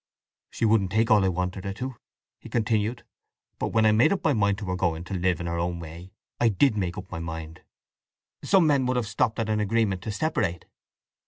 "She wouldn't take all I wanted her to," he continued. "But when I made up my mind to her going to live in her own way I did make up my mind." "Some men would have stopped at an agreement to separate."